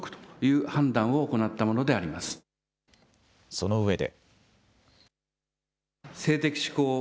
そのうえで。